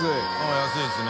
安いですね。